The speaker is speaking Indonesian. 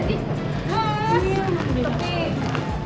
iya gue dengerin